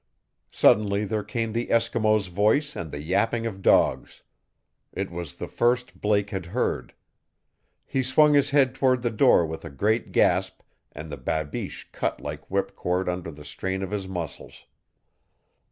Suddenly there came the Eskimo's voice and the yapping of dogs. It was the first Blake had heard. He swung his head toward the door with a great gasp and the babiche cut like whipcord under the strain of his muscles.